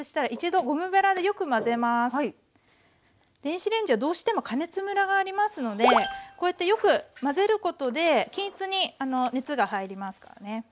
電子レンジはどうしても加熱ムラがありますのでこうやってよく混ぜることで均一に熱が入りますからね。